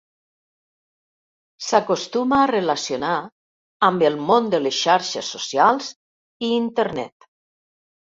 S'acostuma a relacionar amb el món de les xarxes socials i Internet.